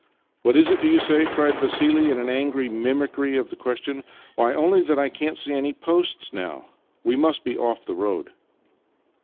" What is it, do you say? " cried Vassili in angry mimicry of the question. " Why, only that I can't see any posts now. We must be off the road."